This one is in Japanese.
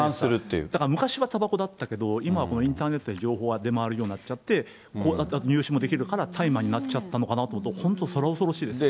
だから昔はたばこだったけど、今はインターネットで情報とか、あと入手もできるから大麻になっちゃったのかなと思うと、本当、そら恐ろしいですよね。